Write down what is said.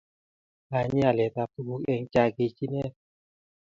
Lanye alet ab tuguk eng chakichinet